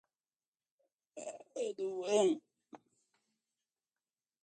A soberania popular será exercida pelo sufrágio universal e pelo voto direto e secreto